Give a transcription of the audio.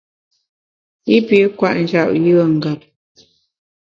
I pi kwet njap yùe ngap.